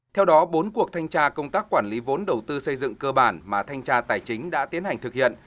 theo đó bốn cuộc thanh tra công tác quản lý vốn đầu tư xây dựng cơ bản mà thanh tra tài chính đã tiến hành thực hiện